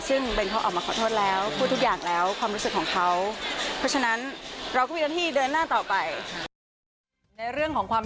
ซึ่งเบนเขาออกมาขอโทษแล้วพูดทุกอย่างแล้วความรู้สึกของเขา